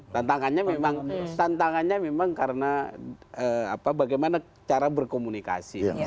tantangannya memang karena bagaimana cara berkomunikasi